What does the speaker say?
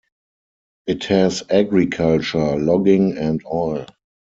It has agriculture, logging, and oil.